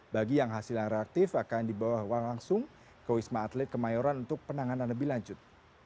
bagi yang hasil yang reaktif akan dibawa uang langsung ke wisma atlet kemayoran untuk penanganan lebih lanjut